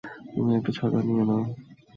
তুমি একটা ছাতা নিয়ে নাও।